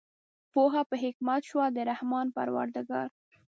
پوهه په حکمت شوه د رحمان پروردګار